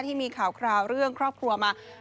ที่มีข่าวคราวเรื่องครอบครัวมา